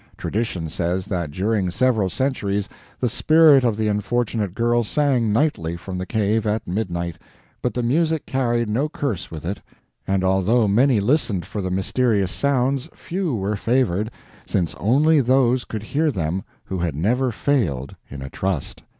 Tradition says that during several centuries the spirit of the unfortunate girl sang nightly from the cave at midnight, but the music carried no curse with it; and although many listened for the mysterious sounds, few were favored, since only those could hear them who had never failed in a trust.